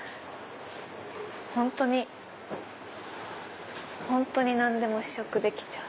本当に本当に何でも試食できちゃう。